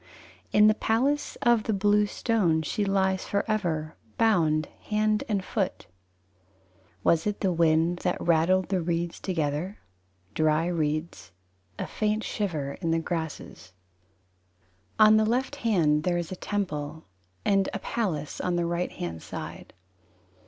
"In the palace of the blue stone she lies forever Bound hand and foot." Was it the wind That rattled the reeds together? Dry reeds, A faint shiver in the grasses. IV On the left hand there is a temple: And a palace on the right hand side.